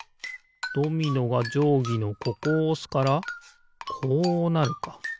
ドミノがじょうぎのここをおすからこうなるか。